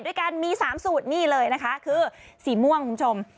ด้วยกันมี๓สูตรนี่เลยนะคะคือสีม่วงคุณผู้ชม